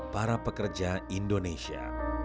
para pekerja indonesia